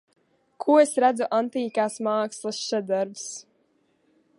Ko es redzu Antīkās mākslas šedevrs.